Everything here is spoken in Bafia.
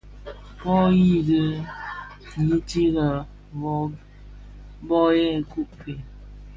Bō dhi di yiti lè bō ghèbku fe?